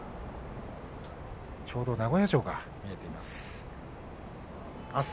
ちょうど名古屋城が見えています。